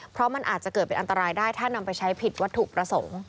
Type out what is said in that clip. เพราะมันอาจจะเกิดเป็นอันตรายได้ถ้านำไปใช้ผิดวัตถุประสงค์